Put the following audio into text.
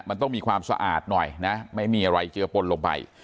มันต้องมีความสะอาดหน่อยนะไม่มีอะไรเจือปนลงไป